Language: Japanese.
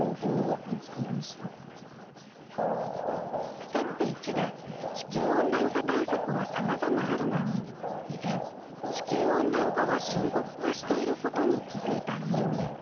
ステップ①で地球温暖化対策はさまざまあるのに依然地球温暖化は深刻化していることに気付いたみゆみゆ。